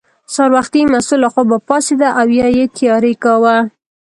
سهار وختي مستو له خوبه پاڅېده او یې تیاری کاوه.